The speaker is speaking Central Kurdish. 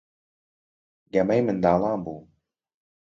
گەمەی منداڵان بوو.